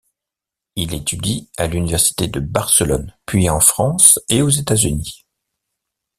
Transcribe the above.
Il étudie à l'université de Barcelone puis en France et aux États-Unis.